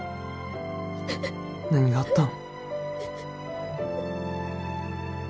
何があったん？